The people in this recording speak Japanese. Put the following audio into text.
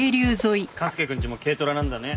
勘介くんちも軽トラなんだね。